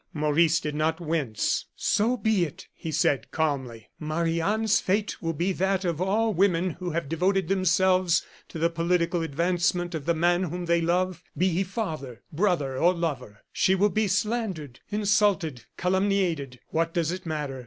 Maurice did not wince. "So be it," he said, calmly. "Marie Anne's fate will be that of all women who have devoted themselves to the political advancement of the man whom they love, be he father, brother, or lover. She will be slandered, insulted, calumniated. What does it matter?